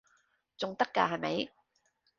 仲得㗎係咪？